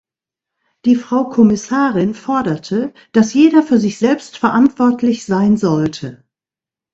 Die Frau Kommissarin forderte, dass jeder für sich selbst verantwortlich sein sollte.